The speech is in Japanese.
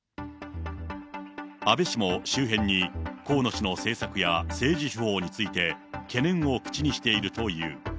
安倍氏も周辺に河野氏の政策や政治手法について、懸念を口にしているという。